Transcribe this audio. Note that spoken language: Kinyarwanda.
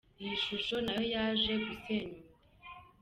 Iyi shusho na yo yaje gusenyuka.